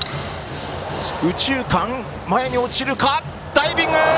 ダイビング！